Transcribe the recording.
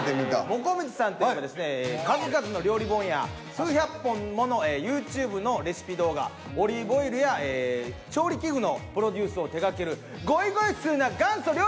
もこみちさんといえばですね数々の料理本や数百本ものＹｏｕＴｕｂｅのレシピ動画オリーブオイルや調理器具のプロデュースを手がける。